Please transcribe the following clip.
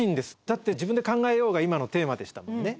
だって「自分で考えよう」が今のテーマでしたもんね。